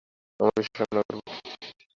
আমার বিশ্বাস আমরা পারব।